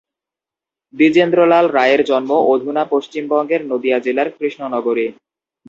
দ্বিজেন্দ্রলাল রায়ের জন্ম অধুনা পশ্চিমবঙ্গের নদিয়া জেলার কৃষ্ণনগরে।